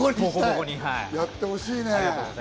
やってほしいね。